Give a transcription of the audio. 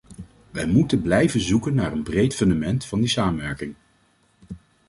Wij moeten blijven zoeken naar een breed fundament van die samenwerking.